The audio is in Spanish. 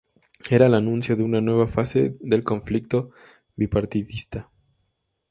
Era el anuncio de una nueva fase del conflicto bipartidista.